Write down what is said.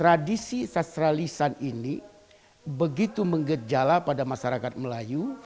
tradisi sastralisan ini begitu mengejala pada masyarakat melayu